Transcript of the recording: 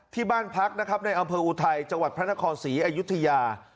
ในอำเภออูทัยจังหวัดพระนครศรีอยุธยา